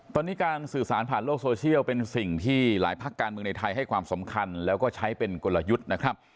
ตอนนี้การสื่อสารผ่านโลกโซเชียลเป็นสิ่งที่หลายภาคการเมืองในไทยให้ความสำคัญแล้วก็ใช้เป็นกลยุทธ์นะครับ